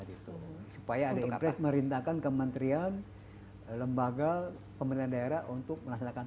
gitu supaya ada impres merintahkan kementerian lembaga pemerintahan daerah untuk melaksanakan